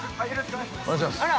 ◆お願いします。